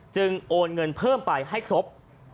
จึงโอนเงินเพิ่มไปให้ครบ๒๐๐๐๐